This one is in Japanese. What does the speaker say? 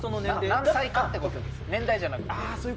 ・何歳かってことです